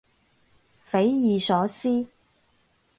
匪夷所思